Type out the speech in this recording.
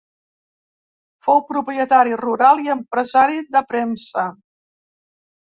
Fou propietari rural i empresari de premsa.